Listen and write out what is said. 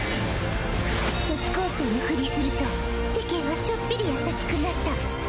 女子高生のフリすると世間はちょっぴり優しくなった。